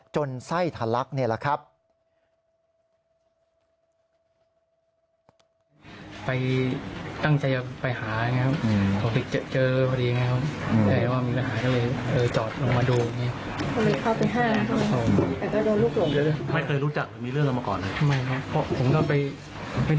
จนไส้ทันลักษณ์นี่แหละครับ